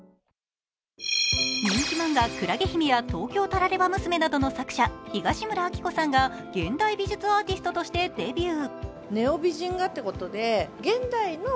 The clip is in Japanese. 人気漫画「海月姫」や「東京タラレバ娘」の作者東村アキコさんが現代美術アーティストとしてデビュー。